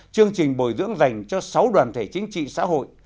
chương trình bồi dưỡng dành cho sáu đoàn thể chính trị xã hội